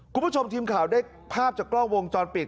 คุณผู้ชมทีมข่าวได้ภาพจากกล้องวงจรปิด